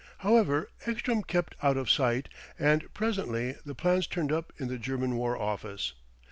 However, Ekstrom kept out of sight; and presently the plans turned up in the German War Office.